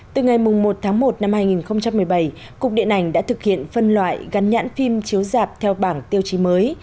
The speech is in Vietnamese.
từ ngày một tháng một năm hai nghìn một mươi bảy cục điện ảnh đã thực hiện phân loại gắn nhãn phim chiếu dạp theo bảng tiêu chí mới